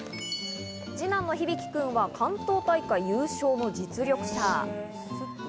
二男の響くんは関東大会優勝の実力者。